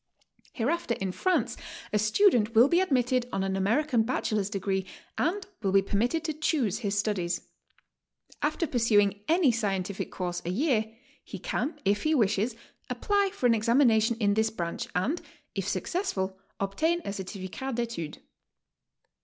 Hereafter in France a student will be admitted on an /American bachelor's degree, and will be permitted t'o choose his studies. After pursuing any scientific course a year, he can, if he wishes, apply for an examination in this branch, and, if successful, obtain a certificat d' etude.